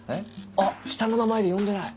あっ下の名前で呼んでない。